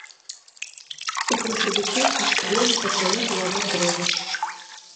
У красавіку ў скверы пачалі пілаваць дрэвы.